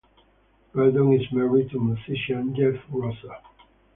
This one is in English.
Gordon is married to musician Jeff Russo.